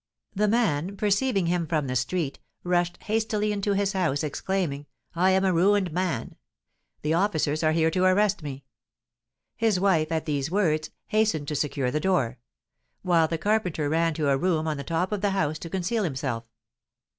The man, perceiving him from the street, rushed hastily into his house, exclaiming, "I am a ruined man! The officers are here to arrest me!" His wife, at these words, hastened to secure the door; while the carpenter ran to a room on the top of the house, to conceal himself.